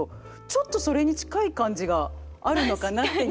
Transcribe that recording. ちょっとそれに近い感じがあるのかなって。